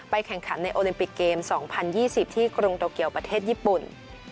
แข่งขันในโอลิมปิกเกม๒๐๒๐ที่กรุงโตเกียวประเทศญี่ปุ่น